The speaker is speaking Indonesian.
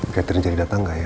gatirin jadi datang gak ya